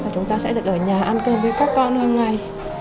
chúng ta sẽ được ở nhà ăn cơm với các con hôm nay